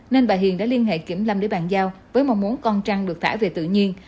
nên bà hiền đã liên hệ kiểm lâm để bàn giao với mong muốn con trăng được thả về tự nhiên